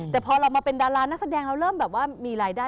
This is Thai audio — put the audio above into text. แต่พอเรามาเป็นดารานักแสดงเราเริ่มแบบว่ามีรายได้